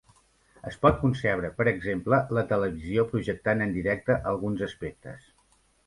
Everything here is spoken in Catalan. Es pot concebre, per exemple, la televisió projectant en directe alguns aspectes.